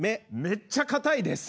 めっちゃかたいです。